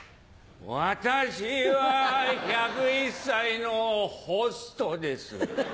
私は１０１歳のホストです。